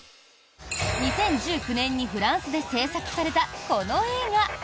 ２０１９年にフランスで制作されたこの映画。